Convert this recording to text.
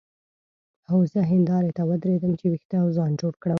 هو زه هندارې ته ودرېدم چې وېښته او ځان جوړ کړم.